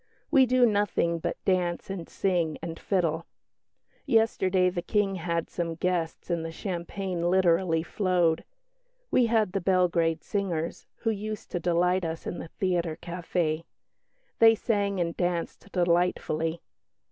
We do nothing but dance and sing and fiddle. Yesterday the King had some guests and the champagne literally flowed. We had the Belgrade singers, who used to delight us in the theatre café. They sang and danced delightfully.